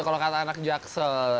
kalau kata anak jaksel